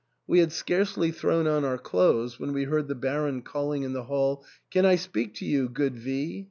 We had scarcely thrown on our clothes when we heard the Baron calling in the hall, "Can I speak to you, good V